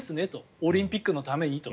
オリンピックのためにと。